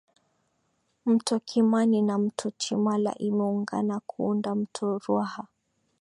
mto kimani na mto chimala imeungana kuunda mto ruaha